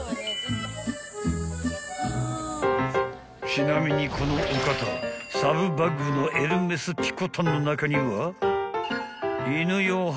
［ちなみにこのお方サブバッグのエルメスピコタンの中には］